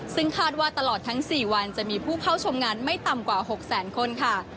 ซึ่งคาดว่าตลอดทั้ง๔วันจะมีผู้เข้าชมงานไม่ต่ำกว่า๖แสนคนค่ะ